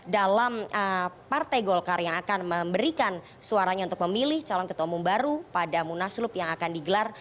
dalam partai golkar yang akan memberikan suaranya untuk memilih calon ketua umum baru pada munaslup yang akan digelar